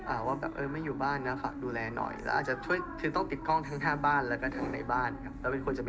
อ่าว่าไม่อยู่บ้านนะค่ะดูแลหน่อยต้องติดกล้องทั้งห้าบ้านและทั้งในบ้านครับ